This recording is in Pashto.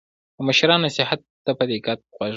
د مشرانو نصیحت ته په دقت غوږ شئ.